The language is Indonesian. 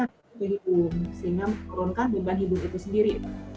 sehingga menurunkan beban hidup itu sendiri